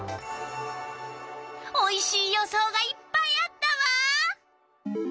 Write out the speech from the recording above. おいしい予想がいっぱいあったわ！